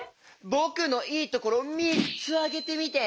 ぼくのいいところをみっつあげてみて。